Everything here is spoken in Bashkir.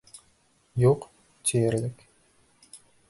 Юҡ, тиерлек.